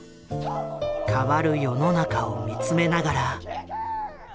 変わる世の中を見つめながら。